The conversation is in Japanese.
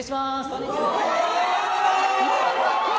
こんにちは。